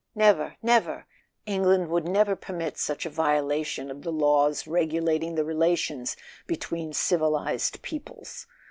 Never—never! England would never permit such a violation of the laws regulating the relations between civilized peoples.